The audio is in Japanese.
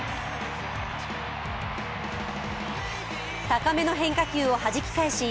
高めの変化球をはじき返し